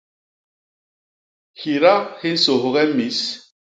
Hyida hi nsôghe mis.